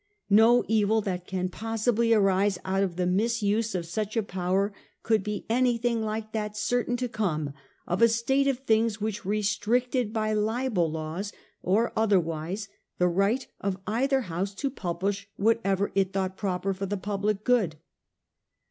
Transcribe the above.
No evil that could possibly arise out of the misuse of such a power could be anything like that certain to come of a state of things which restricted by libel laws or otherwise the right of either House to publish what ever it thought proper for the public good.